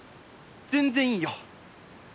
全然いいよ。